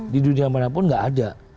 di dunia mana pun nggak ada